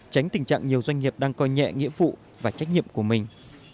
tránh tình trạng nhiều doanh nghiệp đang coi nhẹ nghĩa phụ và trách nhiệm của mình